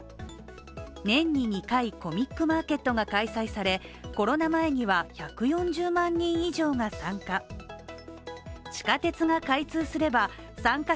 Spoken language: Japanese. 年に２回、コミックマーケットが開催されコロナ前には１４０万人以上が参加。